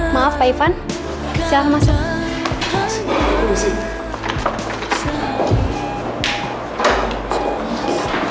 maaf pak ivan saya mau masuk